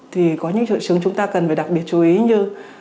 thì có những triệu chứng chúng ta cần phải đặc biệt chú ý như